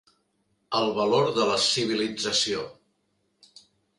El valor de la civilització.